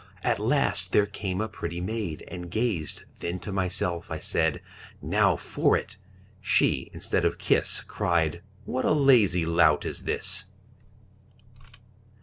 At last there came a pretty maid, And gazed; then to myself I said, 'Now for it!' She, instead of kiss, Cried, 'What a lazy lout is this!'